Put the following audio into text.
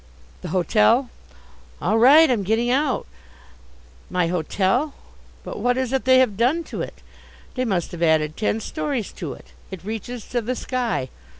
The hotel? All right, I'm getting out. My hotel? But what is it they have done to it? They must have added ten stories to it. It reaches to the sky.